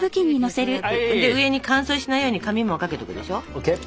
上に乾燥しないように紙もかけとくでしょ。